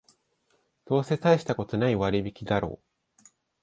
どうせたいしたことない割引だろう